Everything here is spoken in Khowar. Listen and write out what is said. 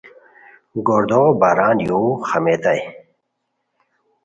گوردوغو باران یوخا میئتانی